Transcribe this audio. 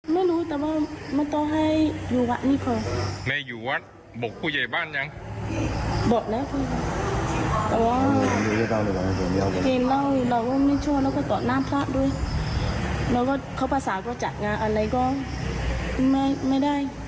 ไม่ได้เพราะมันทำภูมิมันเจ๋ยกล้าอะไรแบบนี้